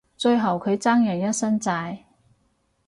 最後佢爭人一身債